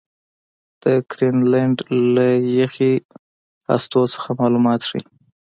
د ګرینلنډ له یخي هستو څخه معلومات ښيي.